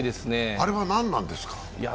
あれは何なんですか？